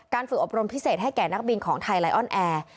ฝึกอบรมพิเศษให้แก่นักบินของไทยไลออนแอร์